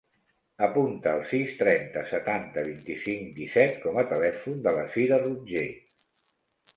Apunta el sis, trenta, setanta, vint-i-cinc, disset com a telèfon de la Sira Rotger.